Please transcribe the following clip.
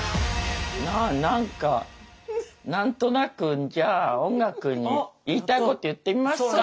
何か何となくじゃあ音楽に言いたいこと言ってみますか。